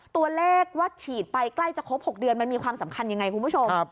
ตัวเลขว่าฉีดไปใกล้จะครบ๖เดือนมันมีความสำคัญยังไงคุณผู้ชม